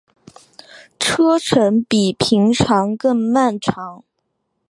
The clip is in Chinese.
车程比平常更漫长